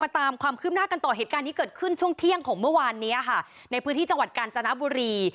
ตามความคืบหน้ากันต่อเหตุการณ์นี้เกิดขึ้นช่วงเที่ยงของเมื่อวานเนี้ยค่ะในพื้นที่จังหวัดกาญจนบุรี